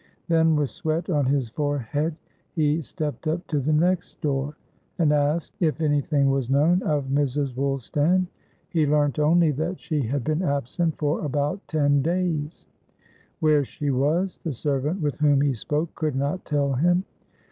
Then, with sweat on his forehead, he stepped up to the next door, and asked if anything was known of Mrs. Woolstan; he learnt only that she had been absent for about ten days; where she was, the servant with whom he spoke could not tell him.